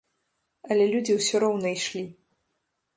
Але людзі ўсё роўна ішлі.